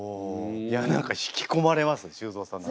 いや何か引きこまれますね修造さんの話。